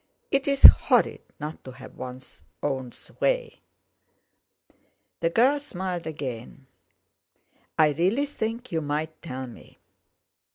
It's horrid not to have one's own way." The girl smiled again. "I really think you might tell me."